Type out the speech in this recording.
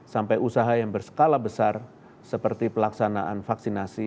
sampai usaha yang berskala besar seperti pelaksanaan vaksinasi